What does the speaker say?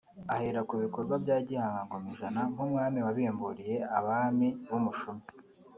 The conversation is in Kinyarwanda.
ahera ku bikorwa bya Gihanga Ngomijana nk’umwami wabimburiye abami b’umushumi